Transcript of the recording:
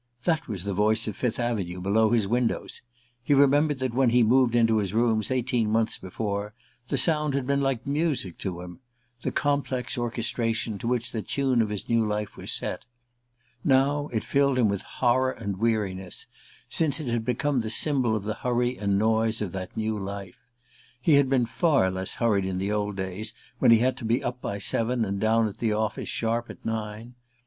That was the voice of Fifth Avenue below his windows. He remembered that when he moved into his rooms eighteen months before, the sound had been like music to him: the complex orchestration to which the tune of his new life was set. Now it filled him with horror and weariness, since it had become the symbol of the hurry and noise of that new life. He had been far less hurried in the old days when he had to be up by seven, and down at the office sharp at nine.